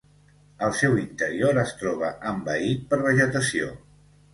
El seu interior es troba envaït per vegetació.